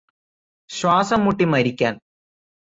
ശ്വാസംമുട്ടിമരിക്കാന്